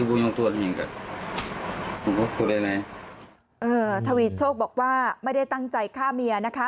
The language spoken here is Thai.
ทวีโชคบอกว่าไม่ได้ตั้งใจฆ่าเมียนะคะ